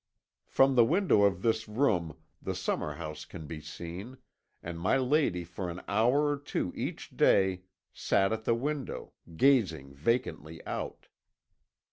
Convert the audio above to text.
"From the window of this room the summer house can be seen, and my lady for an hour or two each day sat at the window, gazing vacantly out.